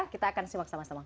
kita akan simak sama sama